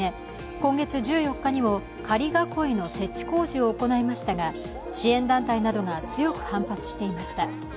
今月１４日にも仮囲いの設置工事を行いましたが支援団体などが強く反発していました。